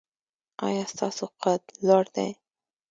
ایا ستاسو قد لوړ دی؟